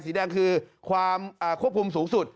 สีแดงคือความควบคุมสูงสุด